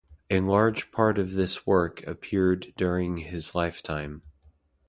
A large part of this work appeared during his lifetime.